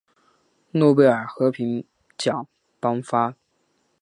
诺贝尔和平奖颁发。